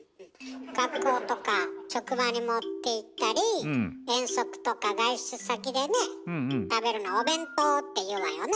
学校とか職場に持っていったり遠足とか外出先でね食べるの「お弁当」って言うわよね？